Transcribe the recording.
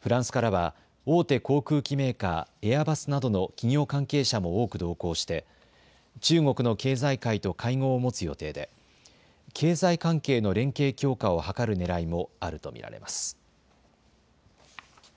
フランスからは大手航空機メーカー、エアバスなどの企業関係者も多く同行して中国の経済界と会合を持つ予定で経済関係の連携強化を図るねらいもあると見られます。